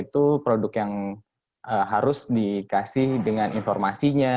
itu produk yang harus dikasih dengan informasinya